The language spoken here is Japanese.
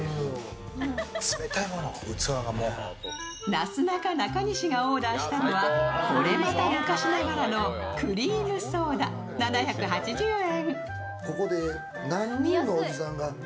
なすなか中西がオーダーしたのはこれまた昔ながらのクリームソーダ７８０円。